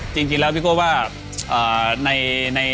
จริงแล้วพี่โก้ว่าใน